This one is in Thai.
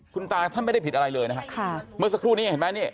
คุณตาท่านไม่ได้ผิดอะไรเลยนะฮะค่ะเมื่อสักครู่นี้เห็นไหมนี่